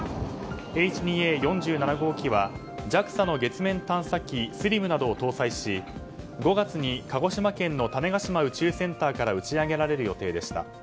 Ｈ２Ａ４７号機はＪＡＸＡの月面探査機「ＳＬＩＭ」などを搭載し５月に鹿児島県の種子島宇宙センターから打ち上げられる予定でした。